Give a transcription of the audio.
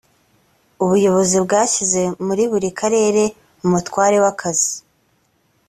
ubuyobozi bwashyize muri buri karere umutware w’akazi